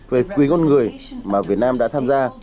về quyền con người mà việt nam đã tham gia